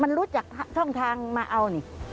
มันรู้จักช่องทางมาเอานี่